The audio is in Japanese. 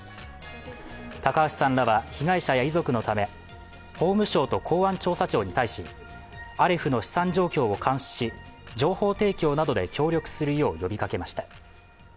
高橋さんらは被害者や遺族のため法務省と公安調査庁に対しアレフの資産状況を監視し情報提供などで協力するよう呼びかけました。